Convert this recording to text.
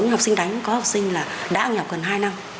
học sinh đánh có học sinh là đã nghỉ học gần hai năm